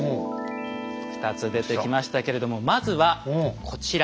２つ出てきましたけれどもまずはこちら。